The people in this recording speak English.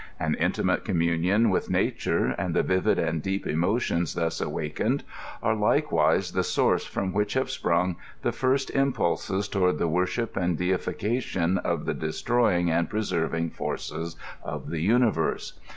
An intimate communion with nature, and the vivid and deep emotions thus awakened, are likewise the source from which have sprung the first impulses toward the worship and deification of the destroying and pre serving forces of the universe.